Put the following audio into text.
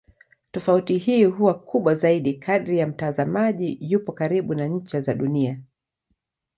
Tofauti hii huwa kubwa zaidi kadri mtazamaji yupo karibu na ncha za Dunia.